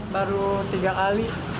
baru tiga kali